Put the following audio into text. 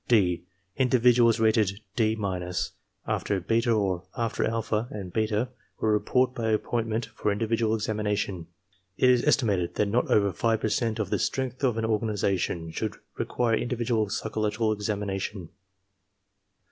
(d) Individuals rated D — after beta or after alpha and beta will report by appointment for individual examination. It is estimated that not over 5 per cent of the strength of an organization should require individual psychological examina tion.